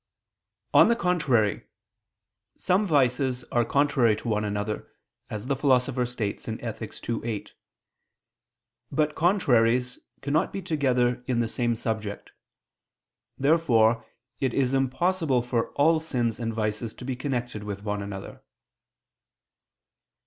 On the contrary, Some vices are contrary to one another, as the Philosopher states (Ethic. ii, 8). But contraries cannot be together in the same subject. Therefore it is impossible for all sins and vices to be connected with one another.